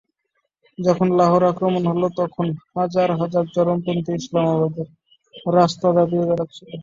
যখন লাহোর আক্রমণ হলো, তখন হাজার হাজার চরমপন্থী ইসলামাবাদের রাস্তা দাপিয়ে বেড়াচ্ছিল।